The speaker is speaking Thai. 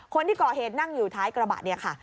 คนที่ก่อเหตุนั่งอยู่ท้ายกระบะเนี่ยค่ะ